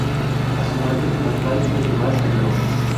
A su muerte, Man Ray fue quien más la lloró.